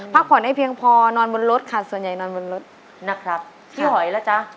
ผ่อนให้เพียงพอนอนบนรถค่ะส่วนใหญ่นอนบนรถนะครับพี่หอยล่ะจ๊ะ